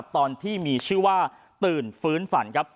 ตอนที่มีชื่อว่าตื่นฟื้นฝันครับ